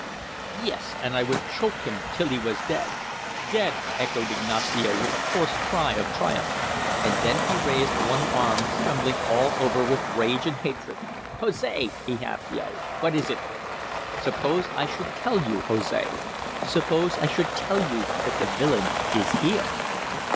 "Yes. And I would choke him till he was dead." "Dead!" echoed Ignacio, with a hoarse cry of triumph. And then he raised one arm trembling all over with rage and hatred. "Jose!" he half yelled. "What is it?" "Suppose I should tell you, Jose suppose I should tell you that the villain is here?"